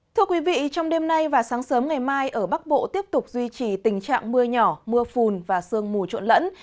thưa quý vị trong đêm nay và sáng sớm ngày mai ở bắc bộ tiếp tục duy trì tình trạng mưa nhỏ mưa phùn và sương mù trộn lẫn